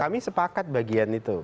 kami sepakat bagian itu